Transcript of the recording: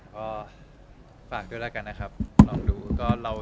ก็คือใครเป็นแฟนก็จะรีบกดเลย